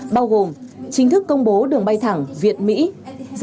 bao gồm chính thức công bố đường bay thẳng việt mỹ